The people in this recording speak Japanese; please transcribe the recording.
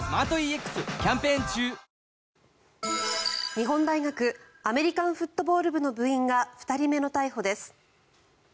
日本大学アメリカンフットボール部の部員が２人目の逮捕です。